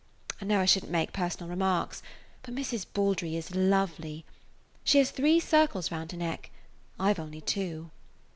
"I know I shouldn't make personal remarks, but Mrs. Baldry is lovely. She has three circles round her neck. I 've only two."